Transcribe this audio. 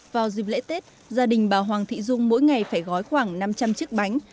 vào dịp lễ tết gia đình bà hoàng thị dung mỗi ngày phải gói khoảng năm trăm linh chiếc bánh